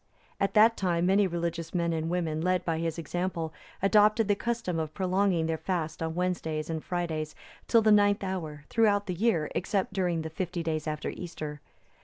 At that time, many religious men and women, led by his example, adopted the custom of prolonging their fast on Wednesdays and Fridays, till the ninth hour, throughout the year, except during the fifty days after Easter.